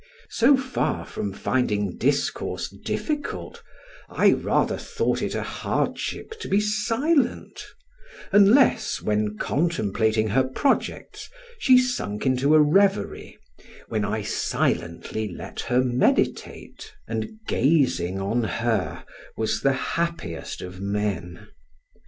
So far from finding discourse difficult, I rather thought it a hardship to be silent; unless, when contemplating her projects, she sunk into a reverie; when I silently let her meditate, and gazing on her, was the happiest of men.